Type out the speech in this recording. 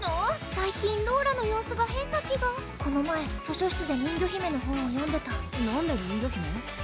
最近ローラの様子が変な気がこの前図書室で人魚姫の本を読んでたなんで人魚姫？